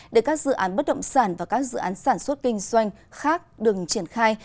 để các dự án bất động sản và các dự án sản xuất kinh doanh khác đừng triển khai